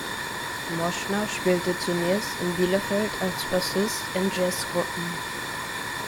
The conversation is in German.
Moschner spielte zunächst in Bielefeld als Bassist in Jazzgruppen.